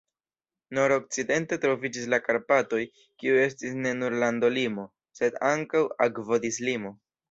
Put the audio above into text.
Nord-okcidente troviĝis la Karpatoj, kiu estis ne nur landolimo, sed ankaŭ akvodislimo.